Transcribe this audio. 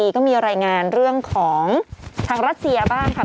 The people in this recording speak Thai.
ก็มีรายงานเรื่องของทางรัสเซียบ้างค่ะ